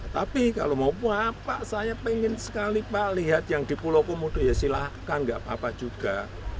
tapi kalau mau apa saya pengen sekali pak lihat yang di pulau komodo ya silahkan nggak apa apa juga